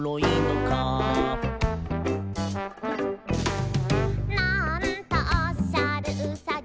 「なんとおっしゃるウサギさん」